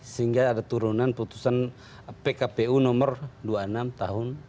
sehingga ada turunan putusan pkpu nomor dua puluh enam tahun dua ribu dua